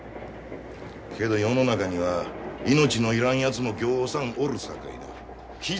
けど世の中には命のいらんやつもぎょうさんおるさかいな気ぃ